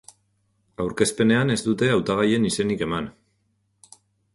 Aurkezpenean, ez dute hautagaien izenik eman.